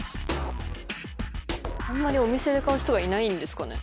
あんまりお店で買う人がいないんですかね？